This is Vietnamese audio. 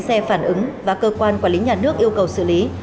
xe phản ứng và cơ quan quản lý nhà nước yêu cầu xử lý